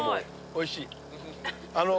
おいしい。